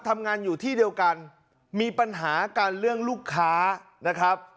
ทำงานอยู่ที่เดียวกันมีปัญหากันเรื่องลูกค้านะครับ